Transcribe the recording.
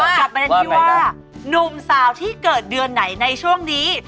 กับประเด็นที่ว่านุ่มสาวที่เกิดเดือนไหนในช่วงนี้